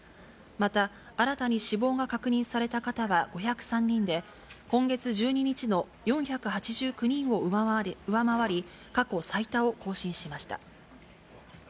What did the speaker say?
また、新たに死亡が確認された方は５０３人で、今月１２日の４８９人を上回り、過去最多を更新しました。